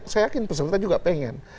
saya yakin peserta juga pengen